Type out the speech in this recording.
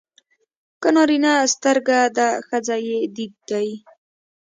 که نارینه سترګه ده ښځه يې دید دی.